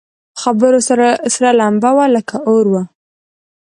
په خبرو سره لمبه وه لکه اور وه